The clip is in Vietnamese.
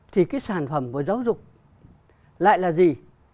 thì cái sản phẩm của giáo dục lại là gì